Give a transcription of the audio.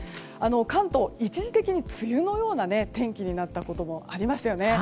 関東、一時的に梅雨のような天気になったこともありましたよね。